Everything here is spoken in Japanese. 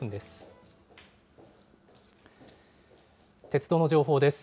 鉄道の情報です。